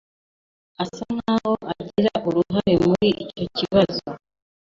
Asa nkaho agira uruhare muri icyo kibazo.